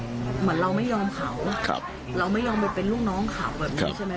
เหมือนเราไม่ยอมเขาเราไม่ยอมไปเป็นลูกน้องเขาแบบนี้ใช่ไหม